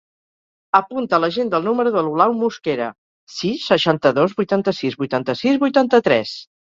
Apunta a l'agenda el número de l'Olau Mosquera: sis, seixanta-dos, vuitanta-sis, vuitanta-sis, vuitanta-tres.